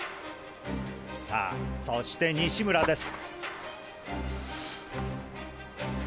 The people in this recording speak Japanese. さあそして西村です！